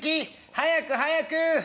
早く早く」。